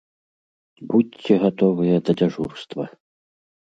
Будзьце гатовыя да дзяжурства!